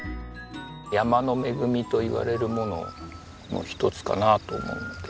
山の恵みといわれるものの一つかなと思って。